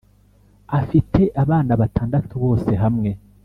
afite abana batandatubose hamwe